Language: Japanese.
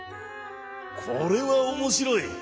「これはおもしろい。